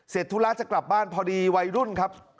เสร็จทุลาคตจะกลับบ้านพอดีวัยรุ่นครับ